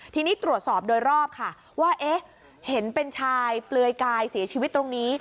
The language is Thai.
ทีนี้ตรวจสอบโดยรอบค่ะว่าเอ๊ะเห็นเป็นชายเปลือยกายเสียชีวิตตรงนี้